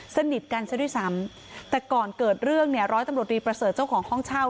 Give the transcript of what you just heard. สนิทกันซะด้วยซ้ำแต่ก่อนเกิดเรื่องเนี่ยร้อยตำรวจรีประเสริฐเจ้าของห้องเช่า